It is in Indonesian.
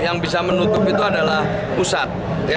yang bisa menutup itu adalah pusat